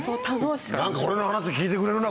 「何か俺の話聞いてくれるな